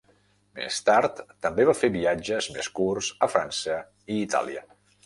Més tard, també va fer viatges més curts a França i Itàlia.